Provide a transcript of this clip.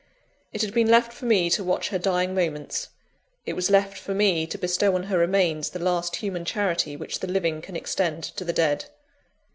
It had been left for me to watch her dying moments; it was left for me to bestow on her remains the last human charity which the living can extend to the dead.